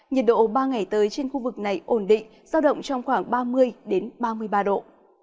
nhiệt độ ba ngày tới trên khu vực này ổn định giao động trong khoảng ba mươi ba mươi ba độ